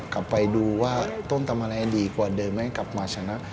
กลับไปดูว่าต้มตำอะไรดีกว่าเดิมไหมกลับมาชนะ